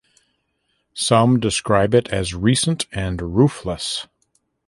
Some describe it as "recent" and "roofless".